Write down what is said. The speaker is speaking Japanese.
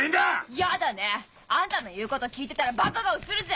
イヤだね！あんたの言うこと聞いてたらバカがうつるぜ！